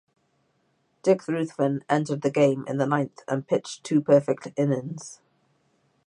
Dick Ruthven entered the game in the ninth and pitched two perfect innings.